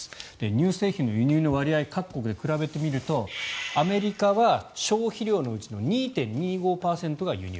乳製品の輸入の割合各国で比べてみるとアメリカは消費量のうちの２．２５％が輸入。